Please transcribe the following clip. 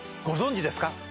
ご存じですか？